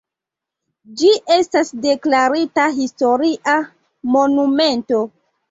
Ĝi estas deklarita historia monumento.